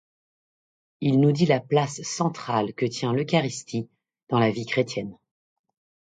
Il nous dit la place centrale que tient l’Eucharistie dans la vie chrétienne.